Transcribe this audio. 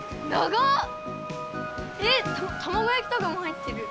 えったまごやきとかもはいってる！